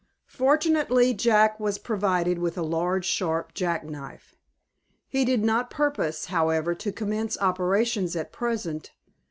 Fortunately, Jack was provided with a large, sharp jack knife. He did not propose, however, to commence operations at present.